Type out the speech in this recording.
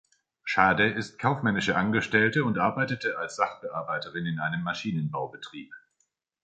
Schade ist Kaufmännische Angestellte und arbeitete als Sachbearbeiterin in einem Maschinenbaubetrieb.